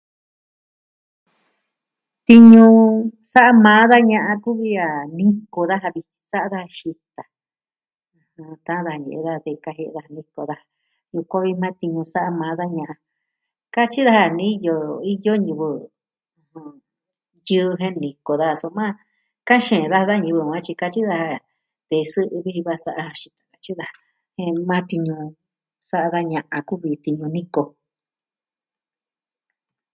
Tiñu sa'a maa da ña'a kuvi a niko daja, sa'a da xita, taan da ñe'e de kajie'e daja niko daja. Yukuan vi maa tiñu sa'a maa da ña'an. Katyi daja niyo, iyo ñivɨ yɨɨ jen niko daja soma, kaxin daja da ñivɨ maa tyi katyi daja. Tee sɨ'ɨ vi ji va sa'a da xita, katyi daja. Jen maa tiñu sa'a da ña'a kuvi tiñu niko.